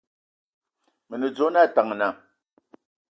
Mə nə dzwe na Ataŋga.